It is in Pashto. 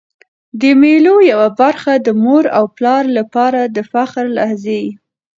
د مېلو یوه برخه د مور او پلار له پاره د فخر لحظې يي.